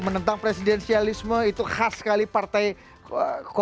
menentang presidensialisme itu khas sekali perangnya itu